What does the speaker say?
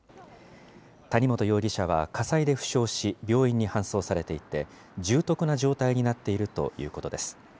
谷本容疑者は火災で負傷し、病院に搬送されていて、重篤な状態になっているということです。